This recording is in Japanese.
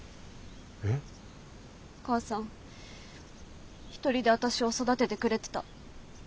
お母さん１人で私を育ててくれてた。